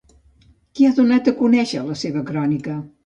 Qui ha donat a conèixer la seva crònica?